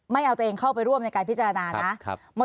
ไม่เอาตัวเองเข้าไปร่วมในการพิจารณานะ